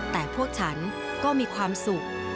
แต่พวกฉันก็มีความสุข